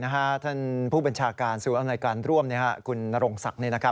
ท่านผู้บัญชาการศูนย์อำนวยการร่วมคุณนรงศักดิ์